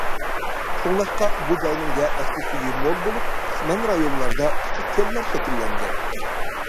شۇڭلاشقا، بۇ جاينىڭ يەر ئاستى سۈيى مول بولۇپ، قىسمەن رايونلاردا كىچىك كۆللەر شەكىللەنگەن.